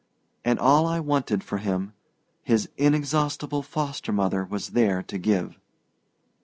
And all I wanted for him his inexhaustible foster mother was there to give!